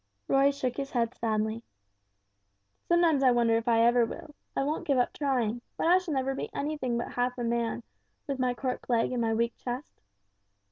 Roy shook his head a little sadly. "Sometimes I wonder if I ever will. I won't give up trying, but I shall never be anything but half a man, with my cork leg and my weak chest.